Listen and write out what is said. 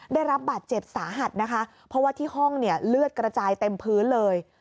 ได้รับบาดเจ็บสาหัสนะคะเพราะว่าที่ห้องเนี่ยเลือดกระจายเต็มพื้นเลย